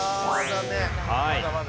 まだまだ。